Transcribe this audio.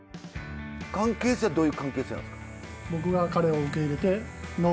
関係性はどういう関係性なんですか？